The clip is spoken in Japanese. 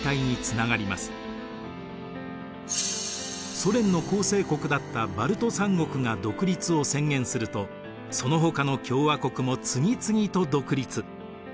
ソ連の構成国だったバルト３国が独立を宣言するとそのほかの共和国も次々と独立。